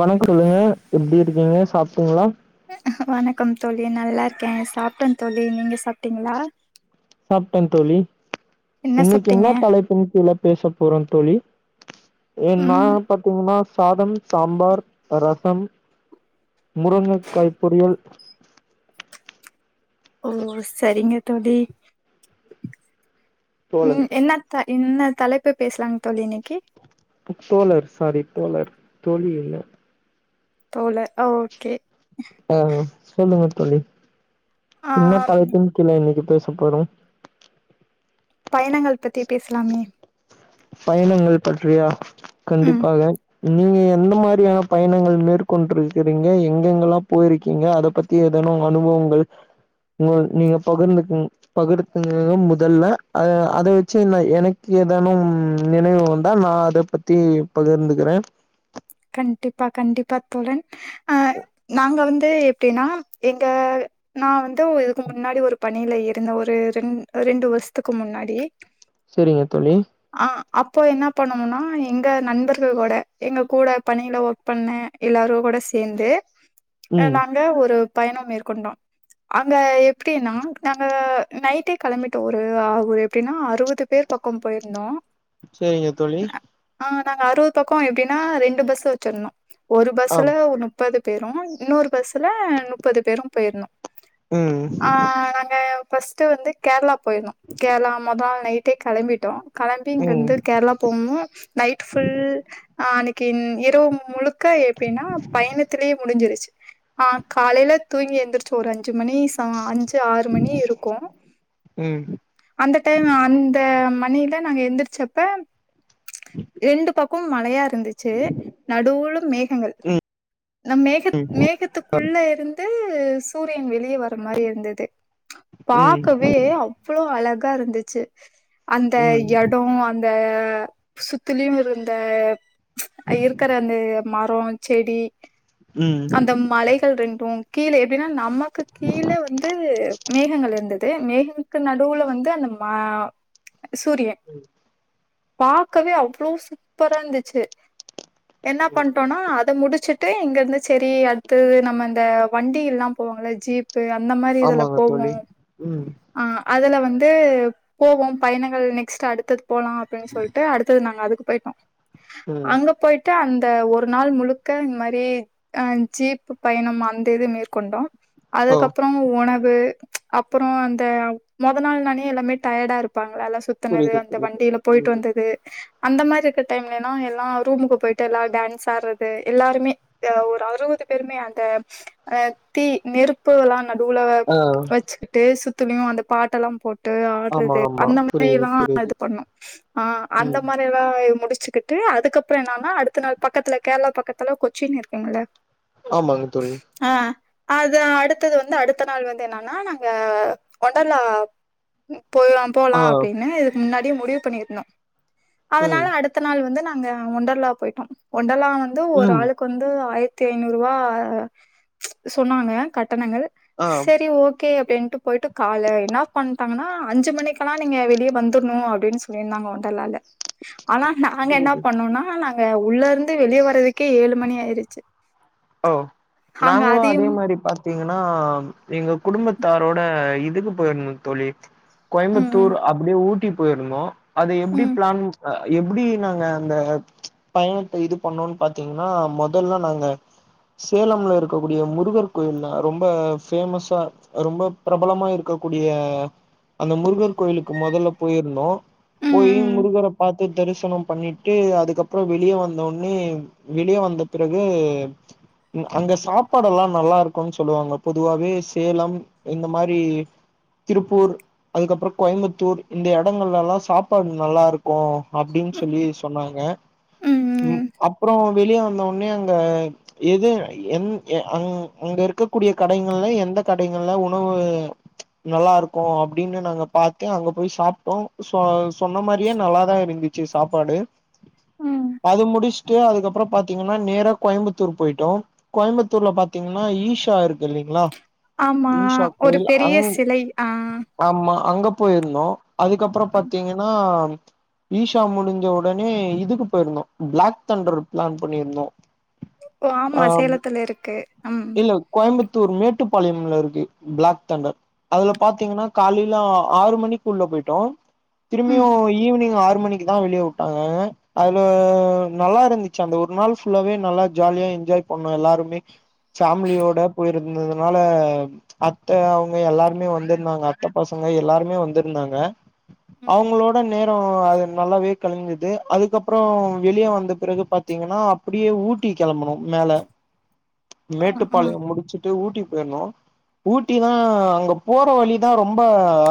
வணக்கம் சொல்லுங்க எப்டி இருக்கீங்க சாப்ட்டீங்களா வணக்கம் தோழி நல்லா இருக்கேன் சாப்ட்டேன்தோழி நீங்க சாப்ட்டிங்களா சாப்டன் தோழி இன்னைக்கு சாப்ட்டீங்க என்ன தலைப்பின் கீழ பேச போறோம் தோழி என்ன ம் பாத்தீங்கன்னா சாதம் சாம்பார் ரசம் முருங்கைக்காய் பொரியல் ஓ சரிங்க தோழி தோழர் உம் என்னத்த என்ன தலைப்ப பேசலாங்க தோழி இன்னைக்கு தோழர் சாரி தோழர் தோழி இல்ல தோழர் ஓகே ஆ ஆ [unintelligible] என்ன தலைப்பு கீழ இன்னைக்கு பேசப்படும் பயணங்கள் பத்தி பேசலாமே பயணங்கள் பற்றியா ம் கண்டிப்பாக நீங்க எந்த மாரியான பயணங்கள் மேற்கொண்டிருக்கிறீங்க எங்கெங்கெல்லாம் போயிருக்கீங்க அத பத்தி ஏதனா அனுபவங்கள் உ நீங்க பகிர்ந்து பகிர்ந்துகங்க முதல்ல அத வச்சு நா எனக்கு ஏதானும் நினைவு வந்தா நான் அத பத்தி பகிர்ந்துக்கிறே கண்டிப்பா கண்டிப்பா தோழன் ஆ நாங்க வந்து அது எப்படின்னா எங்க நான் வந்து இதுக்கு முன்னாடி ஒரு பணியில இருந்தே ஒரு ரெ ரெண்டு வருஷத்துக்கு முன்னாடி சரிங்க தோழி ஆ அப்போ என்ன பண்ணும்னா எங்க நண்பர்கள் கூட எங்க கூட பணியில ஒர்க் பண்ணன் எல்லாரும் கூட சேர்ந்து ம் நாங்க ஒரு பயணம் மேற்கொண்டோம் அங்க எப்டின்னா நாங்க நைட்டே கிளம்பிட்டு ஒரு ஆக ஊர் எப்டின்னா அறுபது பேர் பக்கம் போயிருந்தோம் சரிங்க தோழி நாங்க அறுபது பக்கம் எப்பிடினா ரெண்டு பஸ் சோச்சணும் ஒரு பஸ்ல ஆம் நுப் முப்பது பேரும் இன்னொரு பஸ்ல முப்பது பேரும் போயிருந்தோம் ம் ஆஹ் நாங்க ஃபர்ஸ்ட்டு வந்து கேரளா போயிருந்தோம் கேரள முதல் நைட் நைட்டே கிளம்பிட்டோம் கிளம்பி ம் இங்கிருந்து கேரளா போனும் நைட் ஃபுல் கின் ப் முழுக்க எப்டின்னா பயணத்திலேயே முடிஞ்சிருச்சு ஆஹ் காலையில தூங்கி எந்திரிச்சு ஒரு அஞ்சு மணி அஞ்சு ஆறு மணி இருக்கும் ம் அந்த டைம் அந்த மணில நாங்க எந்திரிச்சப்ப ரெண்டு பக்க க்கும் மலையா இருந்துச்சு தூளும் மேகங்கள் ம் நம் மேக ம் மேகத்துக்குள்ள இருந்து சூரியன் வெளியே வர மாரி இருந்தது ம் பாக்கவே அவ்வளோ அழகு இப்ப இருந்துச்சு அந்த ம் இடம் அந்த சுத்திலும் இருந்த இரு இருக்கற அந்த மரம் செடி ம் அந்த மலைகள் ரெண்டும் கீழே எப்டின்னா நம்ம க்கு கீழ வந்து மேகங்கள் இருந்தது மேகமுக்கு நடுவுல வந்து அந்த மா சூரியன் பாக்கவே அவ்வளவு சூப்பரா இருந்துச்சு என்ன பண்ணிட்டோம்னா அத முடிச் ச்சட்டு எங்கந்து சரி அடுத்தது நம்ம இந்த வண்டில்லாம் போவாங்கள ஜீப் அந்த மாரி இதுல ஆமாங்க தோழி போகும் ம் அ அதல வந்து போவோம் பயணங்கள் நெக்ஸ்ட்டு அடுத்தது போலாம் அப்டின்னு சொல்லிட்டு அடுத்தது நாங்க அதுக்கு போயிட்டோம் ம் அங்க போயிட்டு அந்த ஒரு நாள் முழுக்க இந்த மாரி அ ஜீப் பயணம் அந்த இது மேற்கொண்டோம் ஓ அதுக்கப்பறம் உணவு [inaudible] அப்பறம் அந்த மொதல் நாள் நானே எல்லாமே டயர்டா இருப்பாங்க வேல சுத்தனது புரியுது அந்த புரியுது வண்டியில போயிட்டு ம் வந்தது அந்த மாரி இருக்கிற டைம்லனா எல்லாம் ரூமுக்கு போயிட்டு எல்லாரும் டான்ஸ் ஆடுறது எல்லாருமே அறுபது பேருமே அந்த தீ நெருப்பு அதல்லாம் நடுவுல ஆ வச்சுக்கிட்டு சுத் த்துல அந்த பாட்ட எல்லாம் போட் [inaudible] ஆமா ஆட்றது ஆமா அந்த புரியுது மாரில்லாம் புரியுது இது பன்னோம் அ அந்த ம் மாரி முடிச் வச்சுக்கிட்டு அதுக்கப்பறம் என்னனா அடுத்த நாள் பக்கத்துல கேரளா பக்கத்துல கொச்சின் இருக்கீங்கள ஆமாங்க தோழி அது அடுத்தது வந்து அடுத்த நாள் வந்து என்னன்னா நாங்க ஓர்ண்டலா போயலாம் ஆ போலாம் அப்டின்னு இதுக்கு முன்னாடி முடிவு பண்ணியிருந்தோம் அதனால ம் அடுத்த நாள் வந்து நான அங்க ஒண்டர்லா போயிட்டோம் ஓர்ண்டலா வந்து ஒரு ம் ஆளுக்கு வந்து ஆயிர த்தி ஐந்நூறு ரூபா சொன்னாங்க க கட்டங்கள் ஆ செரி ஓகே ஓகே அப்டின்ட்டு போயிட்டு கால என்ன பண்ணிட்டாங்கன்னா அஞ்சு மணிக்கெல்லாம் நீங்க வெளியே வந்துரணும் அப்டின்னு சொல்லியிருந்தாங்க ஓண்டர்லால ஆனா நாங்க என்ன புரியுது பண்ணோம்னா நா உள்ள இருந்து வெளிய வறதுக் க்கே ஏழு மணி ஆயிருச்சு ஓ அங்க நாங்களும் அதே அதையும் மாரி பத் பாத்தீங்கன்னா எங்க குடும்பத்தாரோட இதுக்கு போயிருந்தோ தோழி ம் கோயம்புத்தூர் அப்படியே ஊட்டி போயிருந்தோ அது எப்டி ம் பிளான் எப்டி நாங்க அந்த பயணத்தை இது பண்ணோனு பாத்தீங்கன்னா முதல்ல நாங்க சேலம்ல இருக்கக்கூடிய முருகர் கோயில்னா ரொம்ப பேமஸ்ஸா ரொம்ப பிரபலமா இருக்கக்கூடிய அந்த முருகர் கோயிலுக்கு முதல்ல போயிருந்தோம் ம் போய் ம் முருகர பார்த் தரிசனம் பண்ணிட்டு அதுக்கப்பற வெளியே வந்தோன்னே வெளியே வந்த பிறகு அங்க சாப்பாடு எல்லா நல்லா இருக்கோன்னு சொல்லுவாங்க பொதுவாவே சேலம் இந்த மாரி திருப்பூர் அதுக்கப்பற கோயம்புத்தூர் இந்த இடங்கள் எல்லா சாப்பாடு நல்லா இருக்கோ அப்படின்னு சொல்லி சொன்னாங்க ம் உம் ம் அப்பற வெளியே வந்தவுடனே அங்க எது எ அங அங்க இருக்கக்கூடிய கடைகள்ல எந்த கடைகள்ல உணவு நல்லா இருக்கோ அப்படின்னு நாங்க பார்த்து அங்க போய் சாப்பிட்டோம் சோ சொன்ன மாரியே நல்லாதான் இருந்து ச்சி சாப்பாடு ம் அது முடிச்சுட்டு அதுக்கப் அப்ற பாத்தீன்னா நேர கோயம்பத் ர் போயிட்டோ கோயம்பத்தூர்ல பாத்தீங்கன்னா ஈஷா இருக் இல்லைங்களா ஆமா ஈஷா ஒரு கோயில் அ பெரிய சிலை ஆ ஆமா அங்க போயிருந்தோ அதுக்கப்பறம் ம் பார்த்தீங்கன்னா ஈஷா முடிஞ்ச உடனே இதுக்கு போயிருந்தோம் பிளாக் தண்டர் பிளான் பண்ணிருந்தோ ஓ ஆமா சேலத்துல இருக்கு ம் இல்ல கோயம்புத்தூர் மேட்டு கட்டுப்பாளையம்ல இருக்கு பிளாக் தண்டர் அதுல பாத்தீங்கன்னா காலையில ஆறு மணிக்கு உள்ள போயிட்டோ திரும்பியோ ம் ஈவினிங் ஆறு மணிக்கு தான் வெளியே விட்டாங்க அதுல நல்லா இருந்துச்சு அந்த ஒரு நாள் ஃபுல்லாவே நல்லா ஜாலியா என்ஜாய் பண்ணோ எல்லாருமே ஃபேமிலியோட போயிருந்ததுனால அத்த அவங்க எல்லாருமே வந்திருந்தாங்க அத்த பசங்க எல்லாருமே வந்திருந்தாங்க ம் அவங்களோட நேரோ அது நல்லாவே கழிஞ்சு அதுக்கப்பறம் வெளியே வந்த பிறகு பார்த்தீங்கன்னா அப்படியே ஊட்டி கிளம்பனோ மேல ஆ ஆ மேட்டுப்பாளையம் முடிச்சுட்டு ஊட்டி வேணு ஊட்டிதான் அங்க போற வலிதான் ரொம்ப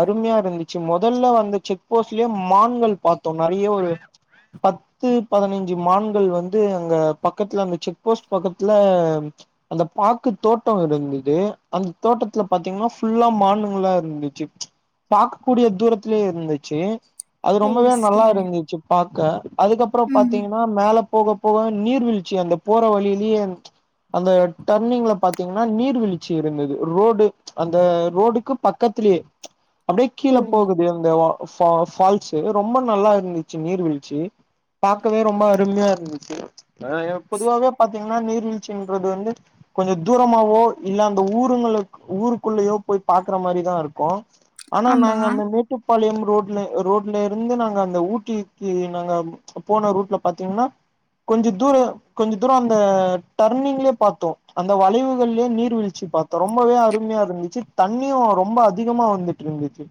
அருமையா இருந்துச்சு முதல்ல வந்து செக் போஸ்ட்லயே மான்கள் பார்த்தோ நிறைய ஒரு பத்து பதினைஞ்சு மான்கள் வந்து அங்க பக்கத்துல அந்த செக் போஸ்ட் பக்கத்துல அந்த பாக்கு தோட்டோ இருந்தது அந்த தோட்டத்துல பார்த்தீங்கன்னா ஃபுல்லா மான்ங்களா இருந்துச்சு பார்க்க கூடிய தூரத்துலயே இருந்துச்சு அது ஓ ரொம்பவே நல்லா சரிங்க இருந்துச்சு பா க அதுக்கப்பறம் ம் பார்த்தீங்கன்னா மேல போக போக நீர்வீழ்ச்சி அந்த போற வழியிலேயே அந்த டர்னிங்ல பாத்தீங்கனா நீர்வீழ்ச்சி இருந்துதூ ரோடு அந்த ரோடுக்கு பக்கத்தலயே அப்படியே ஓ கீழே போகுது இந்த ஃபால் ஃபால்ஸ ரொம்ப நல்லா இருந்துச்சு நீர்வீழ்ச்சி பாாக்வே ரொம்ப அருமையா இருந்துச்சு ஹ பொதுவாவே பா்த்தீங்கன்னா நீர்வீழ்ச்சி ன்றது வந்து கொஞ்சம் தூரமாவோ இல்ல அந்த ஊருங்களுக்கு ஊருக்குள்ளயோ போய் பாாரக்குற மாதிரிதான் இருக்கும் ஆனா ஆமா நாங்க அந்த மேட்டு ப்பாளையம் ரோட்ல ரோட்ல இருந்து நாங்க அந்த ஊட்டிக்கு நாங்க போன ரூட்ல பாத்தீங்கன்னா கொஞ்ச தூரம் கொஞ்ச தூரம் அந்த டர்னிங்லயே பார்த்தோம் அந்த வளைவுகள்லயே நீர் வீழ்சி பார்த்தோம் ரொம்பவே அருமையா இருந்துச்சு தண்ணியும் ரொம்ப அதிகமா வந்துட்டு இருந்துச்சு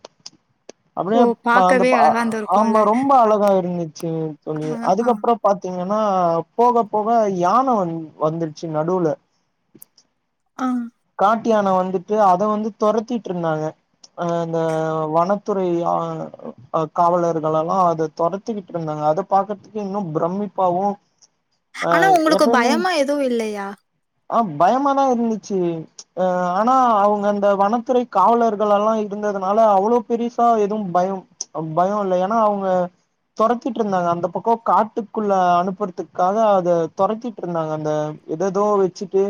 ஓ அப்படியேப்ப அந்த பாக்கவே ப அழகாந்து ஆமா இருக்கும்ல ரொம்ப அழகா இருந்துச் சேரி ஆ தோழி ஆ அதுக்கப்புறம் பாத்தீங் ன்னா போக போக யானை வந் வந்துருச்சு நடுல அஹ் நாட்டியானை வந்துட்டு அதை வந்து துரத்திட்டு இருந்தாங்க அஹ் இந்த வனத்துறை ஆளுங்க காவலர்களெல்லாம் அத தரத்திக்கிட்டு இருந்தாங்க அத பாக்கறதுக்கு இன்னும் பிரமிப்பாவும் ஆனா உங்களுக்கு பயமா எதுவும் இல்லையா அ ஆஹ் பயமாதான் இருந்துச்சு அஹ் ஆனா அவங்க அந்த வனத்துறை காவலர்கள் எல்லாம் இரிந்ததுனால அவ்வளோ பெருசா எதுவும் பயம் பயம் இல்ல ஏன்னா அவங்க துரத்திட்டு இருந்தாங்க அந்த பக்கம் காட்டுக்குள்ள அனுப்புறதுக்காக அத துரத்திட்டு இருந்தாங்க அந்த ஏததோ வெச்சுட்டு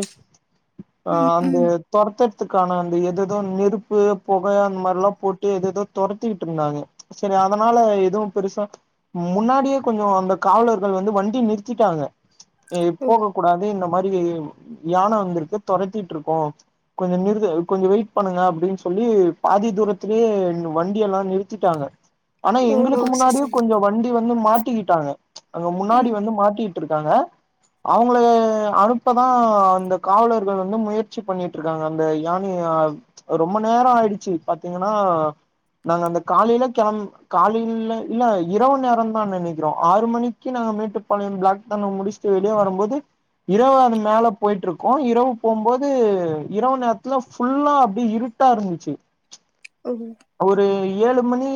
ம் அஹ் அந்த ம் துரத்தர்த்துக்கு க்கான அந்த எததோ நெருப்பு புகை அந்த மாரி எல்லாம் போட்டு எத எதோ துரத்திக்கிட்டு இருந்தாங்க சரி அதனால எதுவும் பெருசா முன்னாடியே கொஞ்சம் அந்த காவலர்கள் வந்து வண்டி நிறுத்திட்டாங்க இ ஓ போக கூடாது இந்த மாரி யானை வந்திருக்கு துரத்திட்டு இருக்கோம் கொஞ்சம் நிறு கொஞ்சம் வெயிட் பண்ணுங்க அப்படின்னு சொல்லி பாதி தூரத்திலயே வண்டி எல்லாம் நிறுத்திட்டாங்க ஆனா ஓ ஓ எங்களுக்கு சரி முன்னாடியும் சரி கொஞ்சம் வண்டி வந்து மாட் டிக்கிட்டாங்க அங்க முன்னாடி ம் வந்து மாட்டி இருக்காங்க அவங்கள ல அனுப்பதான் அந்த காவலர்கள் வந்து முயற்சி பண்ணிட்டு இருக்காங்க அந்த யானைய ரொம்ப நேரம் ஆயிடுச்சு பாத்தீங்கன்னா நாங்க அந்த காலையில கிளம்ப காலையில இல்ல இரவு நேரம் தான் நினைக்கிறோம் ஆறு மணிக்கு நாங்க மேட்டுப்பாளையம் பிளாக் தண்ண முடிச்சுட்டு வெளியே வரும்போது இரவு அது மேல போயிட்டு இருக்கோம் இரவு போகும்போது இரவு நேரத்துல ஃபுல்லா அப்படியே இருட்டா இருந்துச்சு ஓ ம் அவரு ஏழு மணி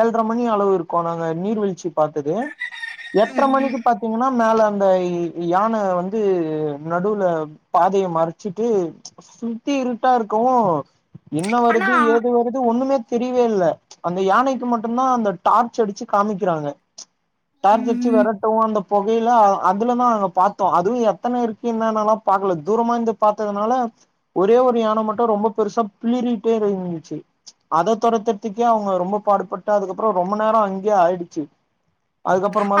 ஏழரை மணி அளவு இருக்கோம் நாங்க நீர்வீழ்ச்சி பார்த்தது எட்டரை ம் மணிக்கு பாத்தீங்கன்னா மேல அந்த யானை வந்து நடுவுல பாதையை மறைச்சிட்டு சுத்தி இருட்டா இருக்கவும் இன்ன ஆனா வருது ஏது வருது ஒண்ணுமே தெரியவே இல்ல அந்த யானைக்கு மட்டும்தான் அந்த டார்ச் அடிச்சு காமிக்கிறாங்க டார்ச்சு அடிச்சி ம் விரட்டுவோ அந்த புகையில அதுலதான் நாங்க பாார்த்தோம் அதுவும் எத்தனை இருக்குனானல்லாம் பாக்கல தூரமாந்து பாார்த்ததுனால ஒரே ஒரு யானை மட்டும் ரொம்ப பெருசா பிளிறிட்டே இருந்துச்சு அதை துரத்தத்துக்கே அவங்க ரொம்ப பாடுபட்டு அதுக்கப்புறம் ரொம்ப நேரம் அங்கேயே ஆயிடுச்சு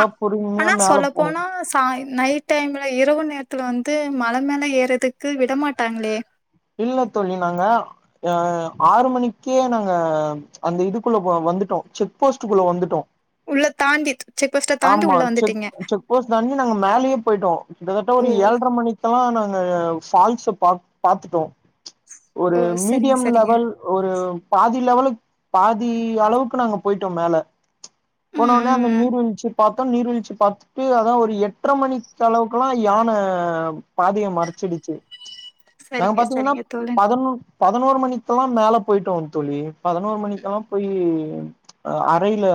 அ பொறுமையா ஆனா மேல போனோ சொல்லப்போனா ச நைட் டைம்ல இரவு நே த்துல வந்து மழ மேல ஏறதுக்கு விட மாட்டாங்களே இல்ல தோழி நாங்க அஹ ஆறு மணிக்கே நாங்க அந்த இதுக்குள்ள வந்துட்டோம் செக் போஸ்ட்ககுள்ள வந்துட்டோம் உள்ள தாண்டி செக் போஸ்ட தாண்டி உள்ள செக் வந்துட்டீங்க செக் போஸ்ட் தாண்டி நாங்க மேலயே போயிட்டோம் கிட்டத்தட்ட ஓ ஒரு ஏழ்ர மணிக்குல்லாம் நாங்க ஆ ஃபேல்ஸ பாத் பாத்துட்டு வந்தோம் ஒரு ஓ சரிங்க மீடியம் சரிங்க. லெவல் ஒரு பாதி லெவலுக் பாதி அளவுக்கு நாங்க போயிட்டோம் மேல ம் ம் ம். நீர்வீழ்ச்சு பாத்துட்டு அதான் ஒரு எட்டர மணிக்கு அளவுக்குல்லாம் யான பாதைய மறச்சிடுச்சு நாங்க சரிங்க பாத்தீங்கன்னா சரிங்க தோழன். பதினொ பதினோரு மணிக் மணிக்லாம் மேல போயிட்டோம் தோழி பதினோரு மணிக்கல்லாம் போய் அறயில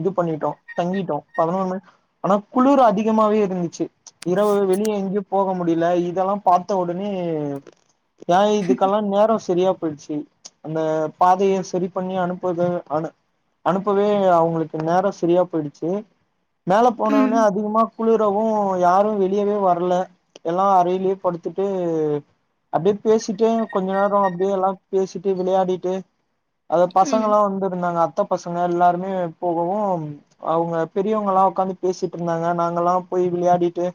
இது பண்ணிட்டோம் தங்கிட்டோம் பதினொரு மணி ஆனா குளிர் அதிகமாவே இருந்துச்சு இரவு வெளியே எங்கேயும் போக முடியல இதெல்லாம் பாத்த ஒடனே ஏன் இதுக்கெல்லாம் நேரம் சரியா போயிடுச்சு அந்த பாதைய சரி பண்ணி அனுப்புது அனு அனுப்பவே அவுங்களுக்கு நேறோம் சரியா போயிடுச்சு மேலே ம். போனவுடனே அதிகமா குளிரவும் யாரும் வெளியவே வரல எல்லாம் அறையிலயே படுத்துட்டு அப்டியே பேசிட்டு கொஞ்ச நேரம் அப்டியே எல்லாம் பேசிட்டு வெளயாடிட்டு அது பசங்க ம். எல்லாம் வந்துருந்தாங்க அத்த பசங்க எல்லாருமே போகவும் அவுங்க பெரியவங்க எல்லாம் உக்காந்து பேசிட்டு இருந்தாங்க நாங்கல்லாம் போய் வெளயாடிட்டு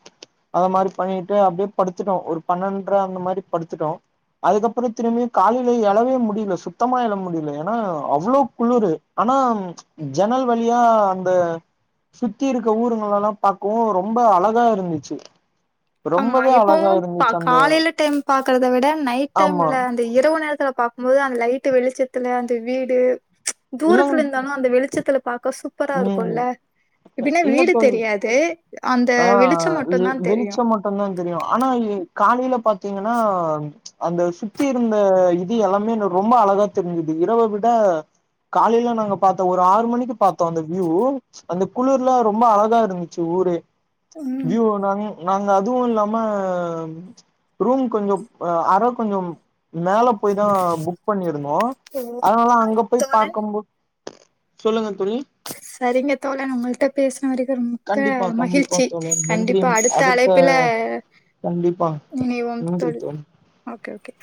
அத மாரி பண்ணிட்டு அப்டியே படுத்துட்டோம் ஒரு பன்னெண்ட்ற அந்த மாரி படுத்துட்டோம் அதுக்கப்பறம் திரும்பியும் காலையில எழவே முடியல சுத்தமா எழ முடியல ஏன்னா அவ்ளோ குளிர் ஆனா ஜன்னல் வழியா அந்த சுத்தி இருக்க ஊருங்களலாம் பாக்கவும் ரொம்ப அழகா இருந்துச்சு ஆமா ரொம்பவே அழகா எப்பவும் ப இருந்துச்சு அந்த காலையில டைம் பாக்குறத விட நைட் ஆமா டைம்ல அந்த இரவு நேரத்துல பா மொத அந்த லைட்டு வெளிச்சத்துல அந்த வீடு ச்சி இல்லங் தூரத்துல இருந்தாலும் அந்த வெளிச்சத்துல பாக்க சூ சூப்பரா ம் இருக்குல்ல இப்டின்னா இல்ல வீடு தோழி தெரியாது அந்த வெளிச்சம் மட்டும் தான் தெரியும் பண்ணா தான் தெரியும் ஆனா காலையில பாத்தீங்கன்னா அந்த சுத்தி இருந்த இது எல்லாமே ரொம்ப அழகா தெரிஞ்சுது இரவ விட காலையில நாங்க பாத்தோம் ஒரு ஆறு மணிக்கு பாத்தோம் அந்த வியூ அந்த குளிர்ல ரொம்ப அழகா இருந்துச்சு ஊரே ம் வீயூ எல்லாமே நாங்க அதுவும் இல்லாம ரூம் கொஞ்சோம் அற கொஞ்சோம் மேல போய் தான் புக் பண்ணிருந்தோம் ஓ அதனால அ அங்க போய் தோழன் பாக்கும் போ சொல்லுங்க தோழி சேரிங்க தோழன்‌ உங்கள்ட்ட பேசு நிகர் மிக்க கண்டிப்பா கண்டிப்பா மகிழ்ச்சி தோழர் நன்றி கண்டிப்பா அடுத்த அழைப்புல கண்டிப்பா இனைவோம் தோழி மூன்று ஒகே ஒகே